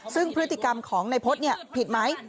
ซึ่งพฤติกรรมของนายพฤษผิดไหม